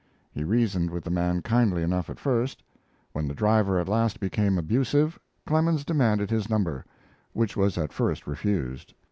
He reasoned with the man kindly enough at first; when the driver at last became abusive Clemens demanded his number, which was at first refused.